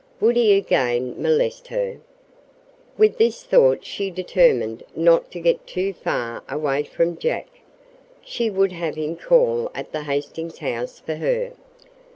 Would he again molest her? With this thought she determined not to get too far away from Jack. She would have him call at the Hastings' house for her.